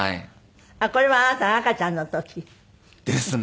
これはあなたが赤ちゃんの時？ですね。